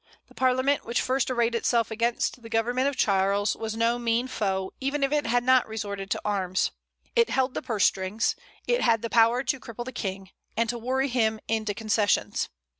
The Parliament which first arrayed itself against the government of Charles was no mean foe, even if it had not resorted to arms. It held the purse strings; it had the power to cripple the King, and to worry him into concessions.